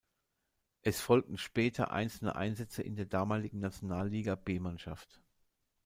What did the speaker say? Es folgten später einzelne Einsätze in der damaligen Nationalliga-B-Mannschaft.